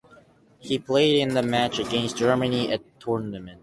He played in the match against Germany at the tournament.